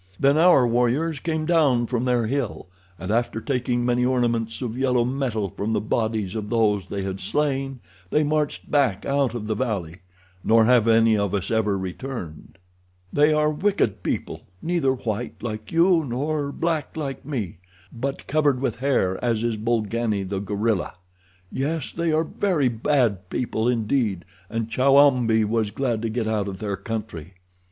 Then our warriors came down from their hill, and, after taking many ornaments of yellow metal from the bodies of those they had slain, they marched back out of the valley, nor have any of us ever returned. "They are wicked people—neither white like you nor black like me, but covered with hair as is Bolgani, the gorilla. Yes, they are very bad people indeed, and Chowambi was glad to get out of their country."